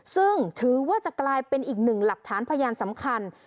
ซึ่งถือว่าจะกลายเป็นอีกหนึ่งหลักฐานพยานสำคัญ